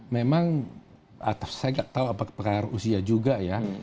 memang saya nggak tahu apakah usia juga ya